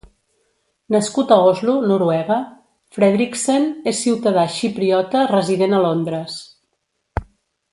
Nascut a Oslo, Noruega, Fredriksen és ciutadà xipriota resident a Londres.